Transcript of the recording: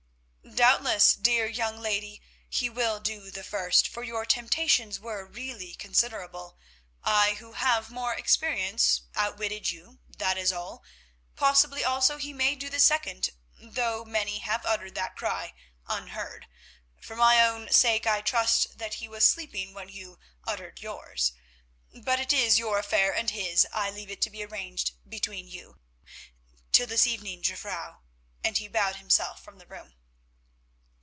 "Doubtless, dear young lady, He will do the first, for your temptations were really considerable; I, who have more experience, outwitted you, that was all. Possibly, also, He may do the second, though many have uttered that cry unheard. For my own sake, I trust that He was sleeping when you uttered yours. But it is your affair and His; I leave it to be arranged between you. Till this evening, Jufvrouw," and he bowed himself from the room.